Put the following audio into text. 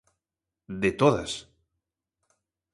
De todas.